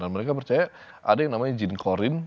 dan mereka percaya ada yang namanya jin korin